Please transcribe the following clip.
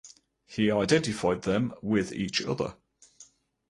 He identified them with each other.